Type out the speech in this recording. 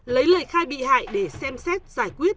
lấy lời khai bị hại để xem xét giải quyết